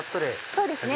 そうですね